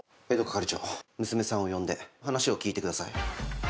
係長、娘さんを呼んで話を聞いてください。